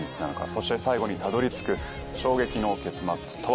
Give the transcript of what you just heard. そして最後にたどり着く衝撃の結末とは？